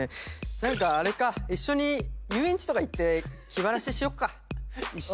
何かあれか一緒に遊園地とか行って気晴らししよっか。